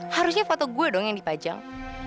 harusnya foto gue dong yang dipajang